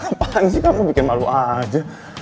ngapain sih kamu bikin malu aja